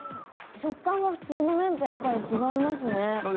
食感が普通の麺とやっぱ違いますね。